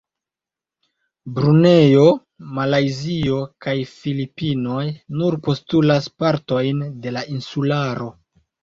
Brunejo, Malajzio kaj la Filipinoj nur postulas partojn de la insularo.